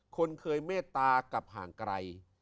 คนเคยเมตตากลับห่างไกล